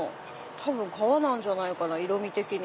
多分皮じゃないかな色み的に。